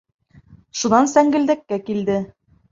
Шунан сәңгелдәккә килде.